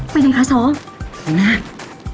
ไปไหนคะสอบ